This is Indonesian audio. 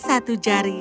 jari hanya satu jari